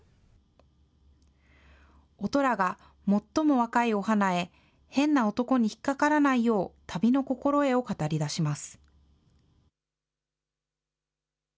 お寅が最も若いお花へ、変な男に引っ掛からないよう旅の心得を語り出します。